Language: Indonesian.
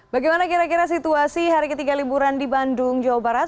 bagaimana kira kira situasi hari ketiga liburan di bandung jawa barat